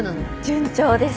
順調です。